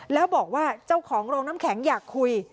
แล้วบอกว่าเจ้าของโรงน้ำแข็งอยากคุย